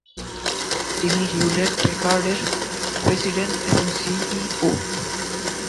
তিনি হিউলেট-প্যাকার্ড এর প্রেসিডেন্ট এবং সিইও।